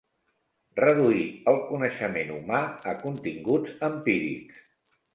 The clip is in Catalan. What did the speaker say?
Reduir el coneixement humà a continguts empírics.